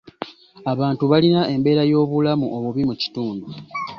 Abantu balina embeera y'obulamu obubi mu kitundu.